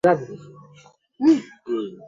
bidhaa zote zinazouzwa zina hirizi zinazohitajika